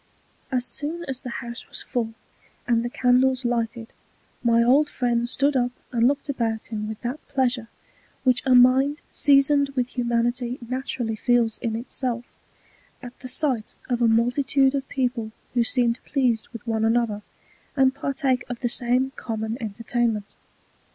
As soon as the House was full, and the Candles lighted, my old Friend stood up and looked about him with that Pleasure, which a Mind seasoned with Humanity naturally feels in its self, at the sight of a Multitude of People who seem pleased with one another, and partake of the same common Entertainment.